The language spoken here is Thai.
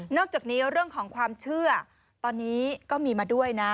อกจากนี้เรื่องของความเชื่อตอนนี้ก็มีมาด้วยนะ